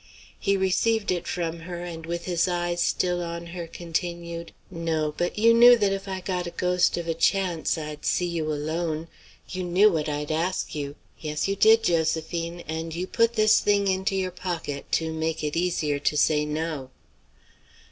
He received it from her, and with his eyes still on her, continued: "No, but you knew that if I got a ghost of a chance, I'd see you alone. You knew what I'd ask you; yes, you did, Josephine, and you put this thing into your pocket to make it easier to say no."